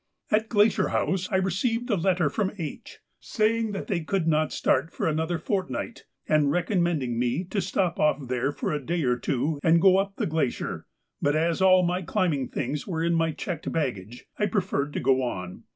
At Glacier House I received a letter from H., saying they could not start for another fortnight, and recommending me to stop off there for a day or two and go up the glacier; but, as all my climbing things were in my checked baggage, I preferred to go on.